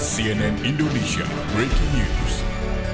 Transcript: sampai jumpa di video selanjutnya